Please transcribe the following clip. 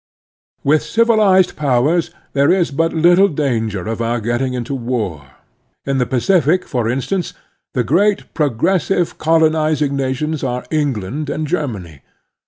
With civilized powers there is but little danger of our getting into war. In the Pacific, for instance, the great progressive, colonizing nations are England and Germany.